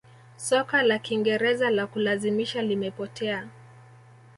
soka la kingereza la kulazimisha limepotea